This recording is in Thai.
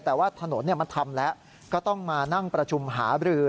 แต่ว่าถนนมันทำแล้วก็ต้องมานั่งประชุมหาบรือ